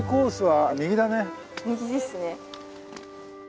右ですね。